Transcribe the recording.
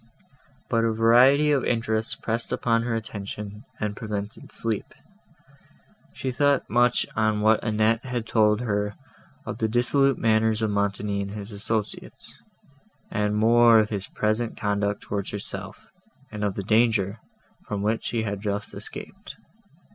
But a variety of interests pressed upon her attention, and prevented sleep. She thought much on what Annette had told her of the dissolute manners of Montoni and his associates, and more of his present conduct towards herself, and of the danger, from which she had just escaped.